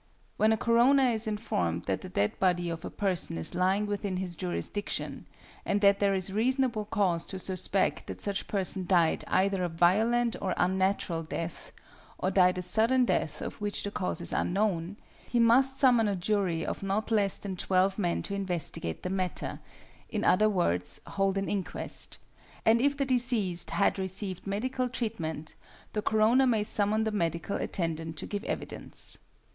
= When a coroner is informed that the dead body of a person is lying within his jurisdiction, and that there is reasonable cause to suspect that such person died either a violent or unnatural death, or died a sudden death of which the cause is unknown, he must summon a jury of not less than twelve men to investigate the matter in other words, hold an inquest and if the deceased had received medical treatment, the coroner may summon the medical attendant to give evidence.